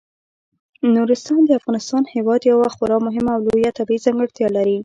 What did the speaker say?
نورستان د افغانستان هیواد یوه خورا مهمه او لویه طبیعي ځانګړتیا ده.